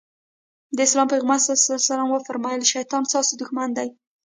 د اسلام پيغمبر ص وفرمايل شيطان ستاسې دښمن دی.